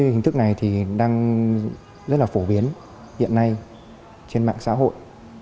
hình thức này thì đang rất là phổ biến hiện nay trên mạng xã hội